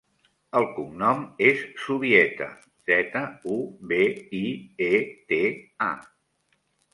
El cognom és Zubieta: zeta, u, be, i, e, te, a.